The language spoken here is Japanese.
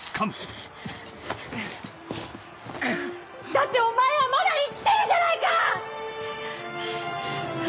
だってお前はまだ生きてるじゃないか‼